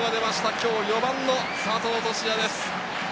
今日、４番の佐藤都志也です。